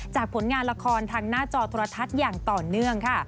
ผลงานละครทางหน้าจอโทรทัศน์อย่างต่อเนื่องค่ะ